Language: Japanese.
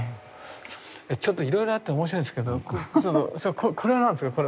ちょっといろいろあって面白いんですけどこれは何ですか？